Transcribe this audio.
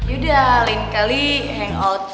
yaudah lain kali hangout